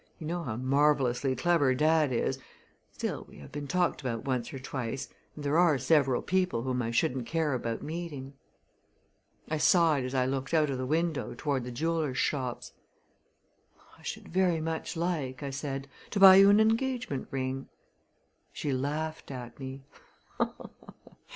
You know how marvelously clever dad is; still we have been talked about once or twice, and there are several people whom I shouldn't care about meeting." I sighed as I looked out of the window toward the jewelers' shops. "I should very much like," I said, "to buy you an engagement ring." She laughed at me.